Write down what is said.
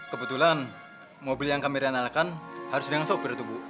kebetulan mobil yang kami renalkan harus dengan sopir tuh bu